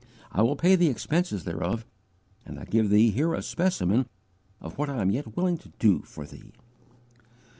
I will pay the expenses thereof, and I give thee here a specimen of what I am yet willing to do for thee.'"